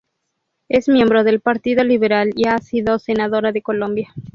Es miembro del Partido Liberal y ha sido Senadora de Colombia.